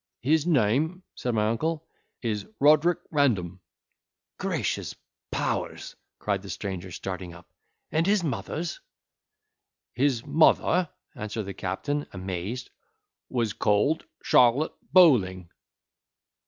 "His name," said my uncle, "is Roderick Random." "Gracious Powers!" cried the stranger, starting up—"And his mother's?" "His mother," answered the captain, amazed, "was called Charlotte Bowling."